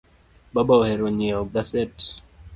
Baba ohero nyieo gaset